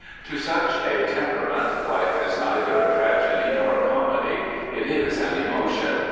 To such a temperament, life is neither a tragedy nor a comedy: it is an emotion.